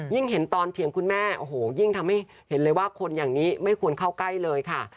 เห็นตอนเถียงคุณแม่โอ้โหยิ่งทำให้เห็นเลยว่าคนอย่างนี้ไม่ควรเข้าใกล้เลยค่ะ